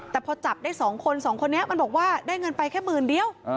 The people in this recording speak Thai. แต่พอจับได้๒คน๒คนนี้มันบอกว่าได้เงินไปแค่หมื่นเดียว